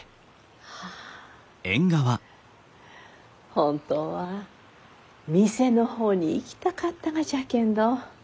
本当は店の方に行きたかったがじゃけんど。